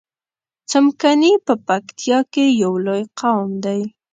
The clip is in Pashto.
څمکني په پکتیا کی یو لوی قوم دی